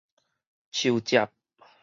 樹汁